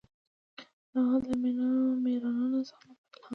ناول د میلیونونو انسانانو لپاره الهام شو.